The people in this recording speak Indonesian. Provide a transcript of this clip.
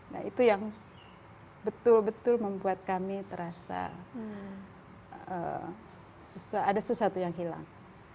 nah itu yang betul betul membuat kami terasa ada sesuatu yang hilang